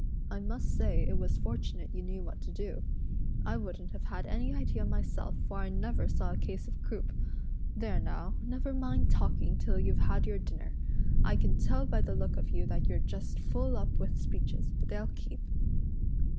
I must say it was fortunate you knew what to do. I wouldn't have had any idea myself, for I never saw a case of croup. There now, never mind talking till you've had your dinner. I can tell by the look of you that you're just full up with speeches, but they'll keep."